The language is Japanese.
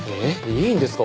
いいんですか？